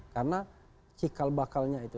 karena cikal bakalnya itu